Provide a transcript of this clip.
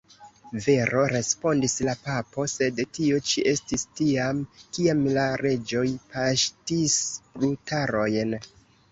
Vero, respondis la papo, sed tio ĉi estis tiam, kiam la reĝoj paŝtis brutarojn.